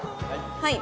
はい。